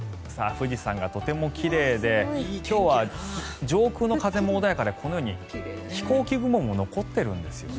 富士山がとても奇麗で今日は上空の風も穏やかでこのように飛行機雲も残っているんですよね。